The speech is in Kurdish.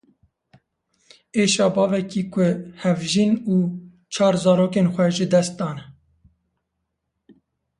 Êşa bavekî ku hevjîn û çar zarokên xwe ji dest dane.